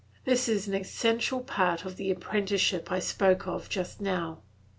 This is an essential part of the apprenticeship I spoke of just now.